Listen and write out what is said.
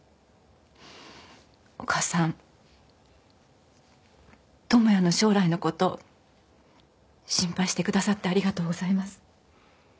お母さん智也の将来のこと心配してくださってありがとうございます。